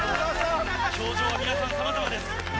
表情は皆さんさまざまです。